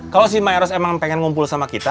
kalau si miros emang pengen ngumpul sama kita